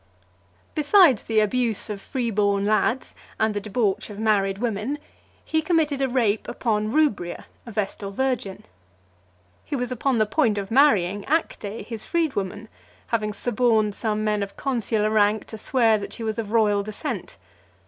XXVIII. Besides the abuse of free born lads, and the debauch of married women, he committed a rape upon Rubria, a Vestal Virgin. He was upon the point of marrying Acte , his freedwoman, having suborned some men of consular rank to swear that she was of royal descent.